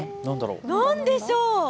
何でしょう。